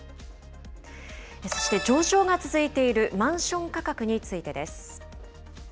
そして上昇が続いているマンション価格についてです。